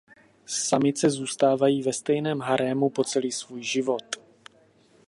Samice zůstávají ve stejném harému po celý svůj život.